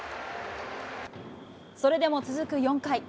それでも続く４回。